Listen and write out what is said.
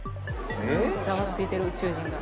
ざわついてる宇宙人が。